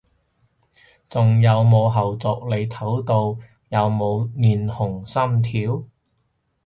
仲有冇後續，你睇到有冇面紅心跳？